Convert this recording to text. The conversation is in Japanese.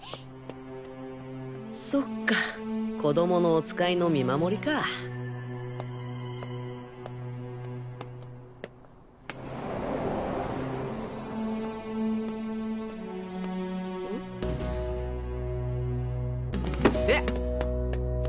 そっか子供のおつかいの見守りかん？え？